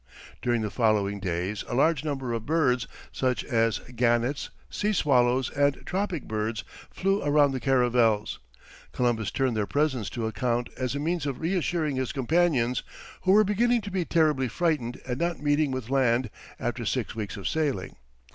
During the following days a large number of birds, such as gannets, sea swallows, and tropic birds, flew around the caravels. Columbus turned their presence to account as a means of reassuring his companions, who were beginning to be terribly frightened at not meeting with land after six weeks of sailing.